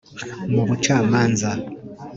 mu bucamanza